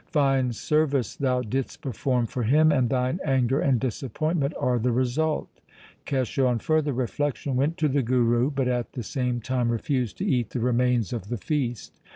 ' Fine service thou didst perform for him, and thine anger and disappoint ment are the result !' Kesho on further reflection went to the Guru, but at the same time refused to eat the remains of the feast.